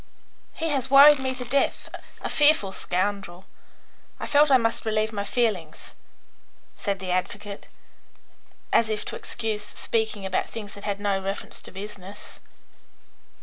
"He has worried me to death a fearful scoundrel. I felt I must relieve my feelings," said the advocate, as if to excuse his speaking about things that had no reference to business.